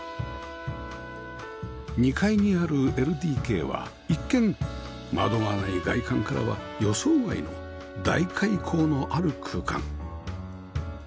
２階にある ＬＤＫ は一見窓がない外観からは予想外の大開口のある空間